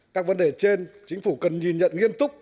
các vấn đề trên chính phủ cần nhìn nhận nghiêm túc